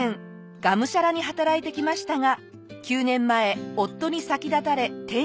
がむしゃらに働いてきましたが９年前夫に先立たれ転機が。